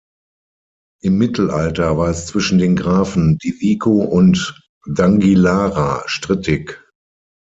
Im Mittelalter war es zwischen den Grafen Di Vico und d’Anguillara strittig.